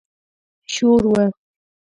شور و.